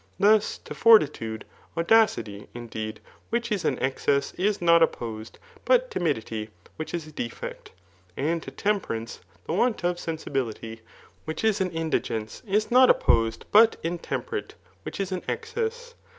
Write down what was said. Thus, to forti tude, audacity, indeed, which is an excess, is not opposed, but timidity, which is a defect ; and to temperance, the want of sensibility, which is an' indigence, is not opposed, but intemperance, which is an excess.